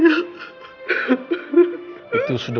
sakit juga saya